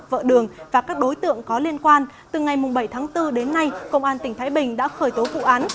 vợ đường và các đối tượng có liên quan từ ngày bảy tháng bốn đến nay công an tỉnh thái bình đã khởi tố vụ án